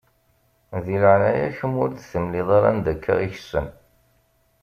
Di leɛnaya-k, ma ur iyi-d-temliḍ anda akka i kessen.